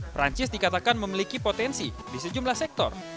perancis dikatakan memiliki potensi di sejumlah sektor